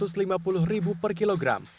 semula dua ratus lima puluh ribu per kilogram